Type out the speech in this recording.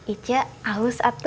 icah aus atuh